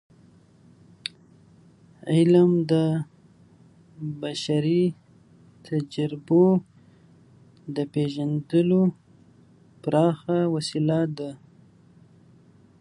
علم د بشري تجربو د پیژندلو پراخه وسیله ده.